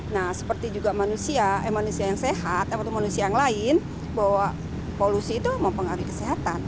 nah seperti juga manusia eh manusia yang sehat atau manusia yang lain bahwa polusi itu mempengaruhi kesehatan